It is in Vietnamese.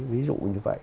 ví dụ như vậy